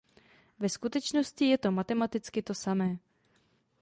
Ve skutečnosti je to matematicky to samé.